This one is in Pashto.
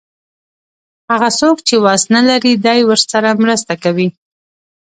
هغه څوک چې وس نه لري دی ورسره مرسته کوي.